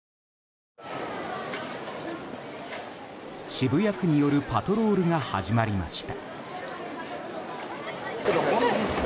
渋谷区によるパトロールが始まりました。